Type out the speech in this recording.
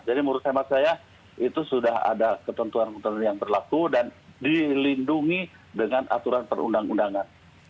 jadi menurut saya itu sudah ada ketentuan ketentuan yang berlaku dan dilindungi dengan aturan perundang undangan